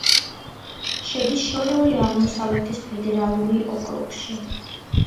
შედის შორეული აღმოსავლეთის ფედერალური ოკრუგში.